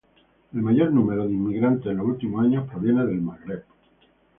El mayor número de inmigrantes en los últimos años proviene del Magreb.